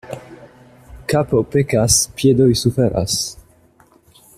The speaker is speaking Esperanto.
Kapo pekas, piedoj suferas.